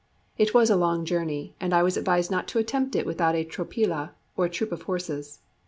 It was a long journey, and I was advised not to attempt it without a tropilla, or troop of horses.